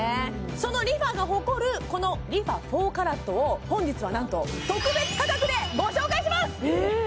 そのＲｅＦａが誇るこのＲｅＦａ４ＣＡＲＡＴを本日は何と特別価格でご紹介しますえっ！